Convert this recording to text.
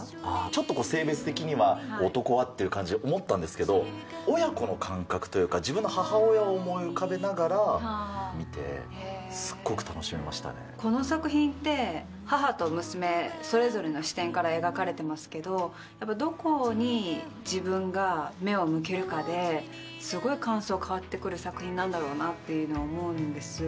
ちょっと性別的には、男はっていう感じは思ったんですけど、親子の感覚というか、自分の母親を思い浮かべながら、この作品って、母と娘、それぞれの視点から描かれてますけど、やっぱどこに自分が目を向けるかですごい感想変わってくる作品なんだろうなっていうのを思うんです。